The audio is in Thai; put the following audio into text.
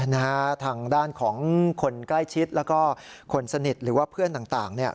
นะฮะทางด้านของคนใกล้ชิดแล้วก็คนสนิทหรือว่าเพื่อนต่างเนี่ย